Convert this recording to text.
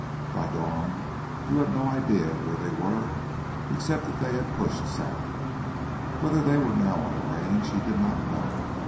By dawn Drew had no idea where they were except that they pushed south. Whether they were now on the Range he did not know.